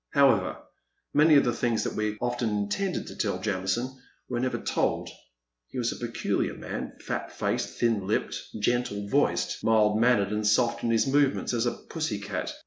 However, many of the things that we often intended to tell Jamison were never told. He was a peculiar man, fat faced, thin lipped, gentle voiced, mild mannered, and soft in his movements as a pussy cat.